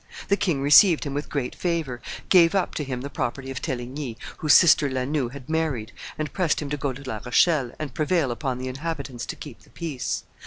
The king received him with great favor, gave up to him the property of Teligny, whose sister La Noue had married, and pressed him to go to La Rochelle and prevail upon the inhabitants to keep the peace.